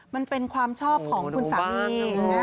มันเป็นความชอบของคุณสามี